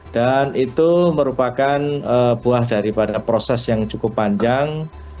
dan itu merupakan buah daripada proses yang cukup panjang